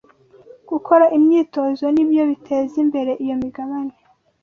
Gukora imyitozo ni byo biteza imbere iyo migabane